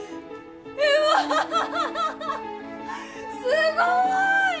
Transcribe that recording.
すごーい！